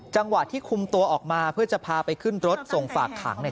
จังหวะที่คุมตัวออกมาเพื่อจะพาไปขึ้นรถส่งฝากขังเนี่ย